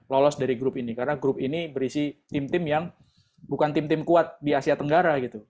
lolos dari grup ini karena grup ini berisi tim tim yang bukan tim tim kuat di asia tenggara gitu